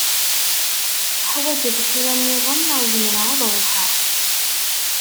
Teḥwaǧeḍ kra niḍen neɣ zemreɣ ad ruḥeɣ?